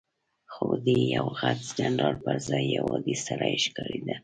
خو دی د یوه غټ جنرال پر ځای یو عادي سړی ښکارېده.